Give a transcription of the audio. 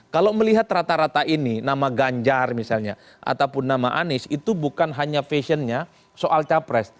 kalau melihat rata rata ini nama ganjar misalnya ataupun nama anies itu bukan hanya fashionnya soal capres